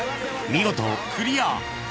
［見事クリア］